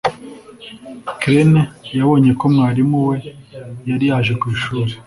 Ukraine yabonye ko mwarimu we yari yaje ku ishuri